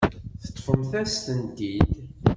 Teṭṭfemt-as-tent-id.